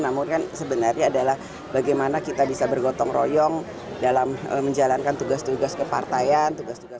namun kan sebenarnya adalah bagaimana kita bisa bergotong royong dalam menjalankan tugas tugas kepartaian tugas tugas